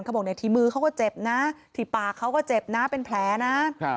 บอกในที่มือเขาก็เจ็บนะที่ปากเขาก็เจ็บนะเป็นแผลนะ